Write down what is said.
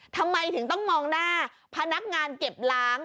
ต้องมองหน้าพนักงานเก็บล้าง